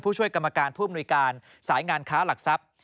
ช่วยกรรมการผู้อำนวยการสายงานค้าหลักทรัพย์